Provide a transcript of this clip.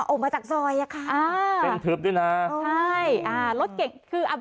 ออกมาจากซอยอ่ะค่ะอ่าเป็นทึบด้วยนะใช่อ่ารถเก่งคืออ่า